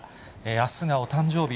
あすがお誕生日。